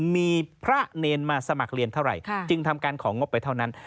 มีพระเนรมาสมัครเรียนเท่าไหร่จึงทำการของงบไปเท่านั้น